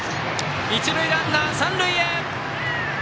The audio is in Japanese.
一塁ランナー、三塁へ。